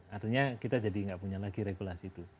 artinya kita jadi nggak punya lagi regulasi itu